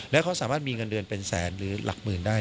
แล้วเขาสามารถมีเงินเดือนเป็นแสนหรือหลักหมื่นได้